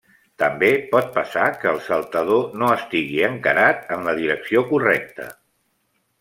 També pot passar que el saltador no estigui encarat en la direcció correcta.